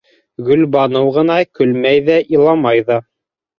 Гөлбаныу ғына көлмәй ҙә иламай ҙа.